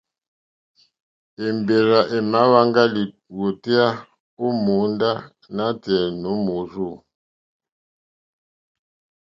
Èmbèrzà èmà wáŋgá lìwòtéyá ó mòóndá nǎtɛ̀ɛ̀ nǒ mòrzô.